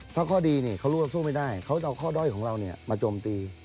ถ้าข้อดีเขารู้ว่าสู้ไม่ได้เขาจะเอาข้อด้อยของเรามาโจมตี